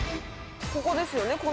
ここですよね？